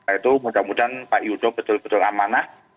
yaitu mudah mudahan pak yudho betul betul amanah